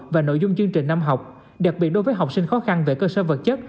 và nội dung chương trình năm học đặc biệt đối với học sinh khó khăn về cơ sở vật chất